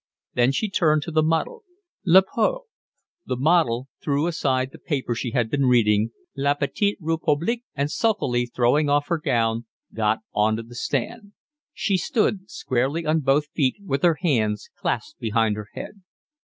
Then she turned to the model. "La Pose." The model threw aside the paper she had been reading, La Petite Republique, and sulkily, throwing off her gown, got on to the stand. She stood, squarely on both feet with her hands clasped behind her head.